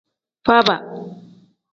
Faaba.